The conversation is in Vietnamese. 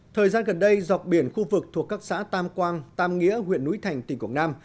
thời gian gần đây dọc biển khu vực thuộc các xã tam quang tam nghĩa huyện núi thành tỉnh quảng nam